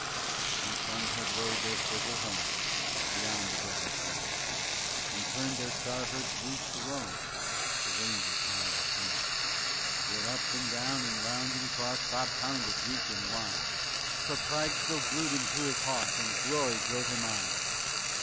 _'" Three suns had rode their circle home Beyond the desert's rim, And turned their star herds loose to roam The ranges high and dim; Yet up and down and 'round and 'cross Bob pounded, weak and wan, For pride still glued him to his hawse And glory drove him on.